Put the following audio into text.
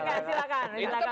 ini kan kesederhananya gitu